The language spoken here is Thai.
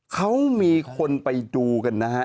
เขามีคนไปดูกันนะฮะ